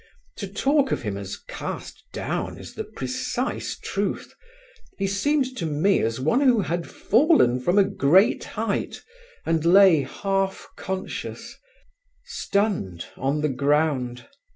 To talk of him as cast down is the precise truth; he seemed to me as one who had fallen from a great height and lay half conscious, stunned on the ground.